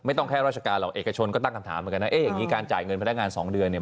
แค่ราชการหรอกเอกชนก็ตั้งคำถามเหมือนกันนะเอ๊ะอย่างนี้การจ่ายเงินพนักงาน๒เดือนเนี่ย